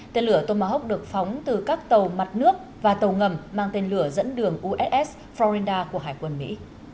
tên lửa tomahawk được phóng từ các tàu mặt nước và tàu ngầm mang tên lửa dẫn đường uss florenda của hải quân mỹ